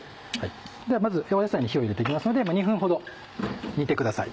ではまず野菜に火を入れていきますので２分ほど煮てください。